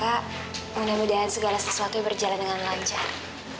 maka mudah mudahan segala sesuatu yang berjalan dengan lancar